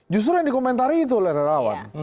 justru yang dikomentari itu oleh relawan